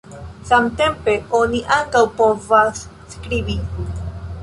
Samtempe oni ankaŭ povas skribi.